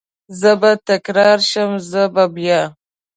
زه به تکرار شم، زه به بیا،